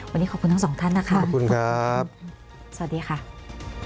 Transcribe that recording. วันนี้ขอบคุณทั้งสองท่านนะคะขอบคุณครับสวัสดีค่ะ